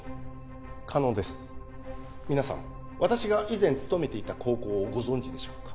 可能です皆さん私が以前勤めていた高校をご存じでしょうか？